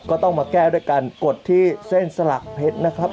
ก็ต้องมาแก้ด้วยกันกดที่เส้นสลักเพชรนะครับ